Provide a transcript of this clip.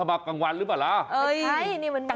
มีกลองมุมอื่นมาใช่มั้ย